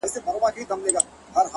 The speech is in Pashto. د هغه ورځي څه مي؛